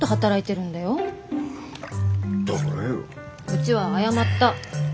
うちは謝った。